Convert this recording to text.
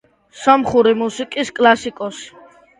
სომხური მუსიკის კლასიკოსი.